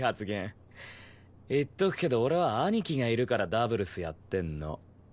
言っとくけど俺は兄貴がいるからダブルスやってんの。